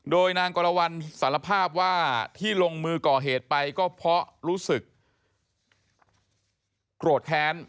โดยนางกรวรรณสารภาพว่าที่ลงมือก่อเหตุไปก็เพราะรู้สึกโกรธแค้น